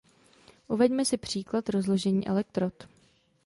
Uveďme si příklad rozložení elektrod.